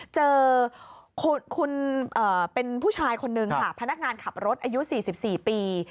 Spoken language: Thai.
เจอคุณเป็นผู้ชายคนนึงค่ะพนักงานขับรถอายุ๔๔ปี